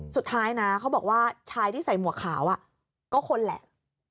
สุดท้ายนะเขาบอกว่าชายที่ใส่หมวกขาวก็คนแหละ